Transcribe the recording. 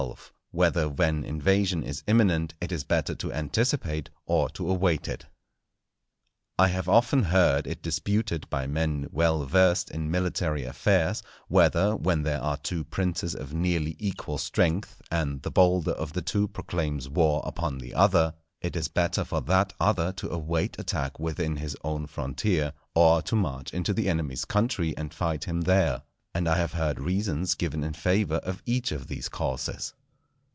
—Whether when Invasion is imminent it is better to anticipate or to await it. I have often heard it disputed by men well versed in military affairs, whether, when there are two princes of nearly equal strength, and the bolder of the two proclaims war upon the other, it is better for that other to await attack within his own frontier, or to march into the enemy's country and fight him there; and I have heard reasons given in favour of each of these courses.